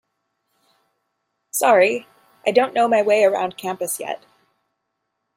Sorry, I don't know my way around campus yet.